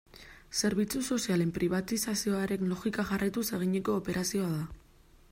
Zerbitzu sozialen pribatizazioaren logika jarraituz eginiko operazioa da.